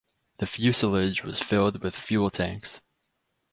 The fuselage was filled with fuel tanks.